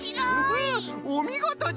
おみごとじゃった。